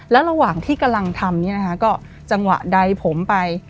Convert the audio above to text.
แล้วระหว่างที่กำลังทำเนี่ยนะคะก็จังหวะใดผมไป